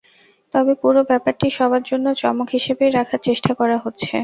তবে পুরো ব্যাপারটি সবার জন্য চমক হিসেবেই রাখার চেষ্টা করা হচ্ছে।